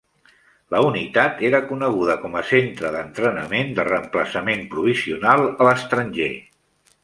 La unitat era coneguda com a Centre d'entrenament de reemplaçament provisional a l'estranger.